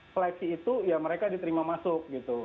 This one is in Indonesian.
flexi itu ya mereka diterima masuk